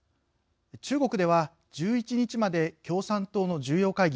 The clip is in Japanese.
中国では、１１日まで共産党の重要会議